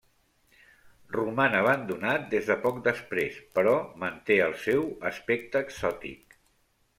Roman abandonat des de poc després, però manté el seu aspecte exòtic.